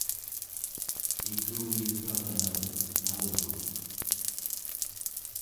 ikuyegarnerek malruk